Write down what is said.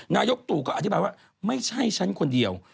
นายกตู่ก็อธิบายว่าไม่ใช่ฉันคนเดียว